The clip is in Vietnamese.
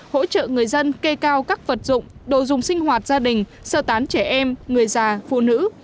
hỗ trợ người dân kê cao các vật dụng đồ dùng sinh hoạt gia đình sơ tán trẻ em người già phụ nữ